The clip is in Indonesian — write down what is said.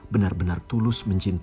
tinggal tepat selanjut ini